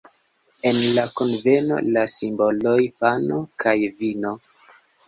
En la kunveno la simboloj: pano kaj vino.